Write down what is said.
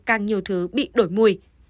càng nhiều thứ bị đổi mùi